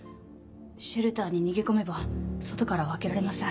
シェルターに逃げ込めば外からは開けられません。